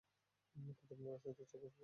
কতটা রাজনৈতিক চাপ আসবে জানো?